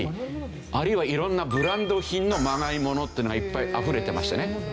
あるいは色んなブランド品のまがいものっていうのがいっぱいあふれてましてね。